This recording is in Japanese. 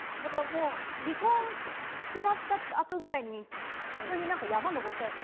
離婚決まったあとくらいに一緒に山登ったよね。